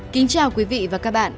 kính chào quý vị và các bạn